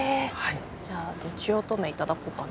じゃあとちおとめ頂こうかな。